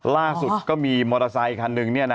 ล่าสุดก็มีมอเตอร์ไซคันหนึ่ง